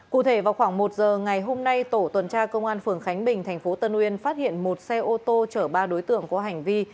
cụ thể vào khoảng một giờ ngày hôm nay tổ tuần tra công an phường khánh bình tp tân uyên phát hiện một xe ô tô chở ba đối tượng có hành vi